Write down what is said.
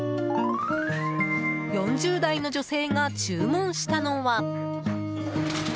４０代の女性が注文したのは。